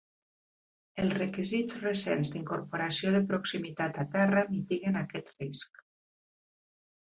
Els requisits recents d'incorporació de proximitat a terra mitiguen aquest risc.